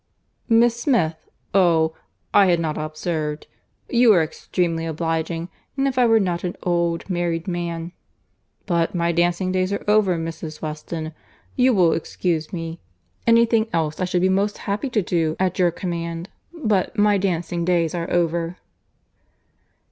"Miss Smith!—oh!—I had not observed.—You are extremely obliging—and if I were not an old married man.—But my dancing days are over, Mrs. Weston. You will excuse me. Any thing else I should be most happy to do, at your command—but my dancing days are over."